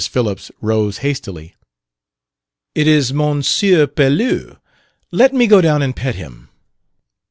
Phillips rose hastily. "It is M. Pelouse; let me go down and pet him."